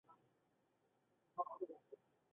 通常鞭子是套着铅球或羊骨的鞭。